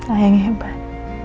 ayah yang hebat